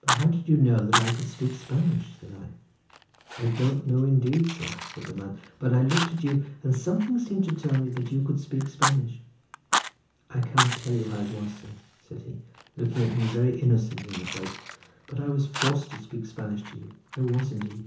"But how did you know that I could speak Spanish?" said I. "I don't know indeed, sir," said the man; "but I looked at you, and something seemed to tell me that you could speak Spanish. I can't tell you how it was, sir," said he, looking me very innocently in the face, "but I was forced to speak Spanish to you. I was indeed!"